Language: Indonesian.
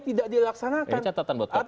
tidak dilaksanakan ini catatan buat kpu